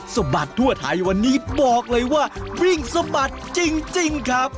สะบัดทั่วไทยวันนี้บอกเลยว่าวิ่งสะบัดจริงครับ